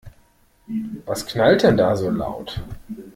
Was knallt denn da so laut?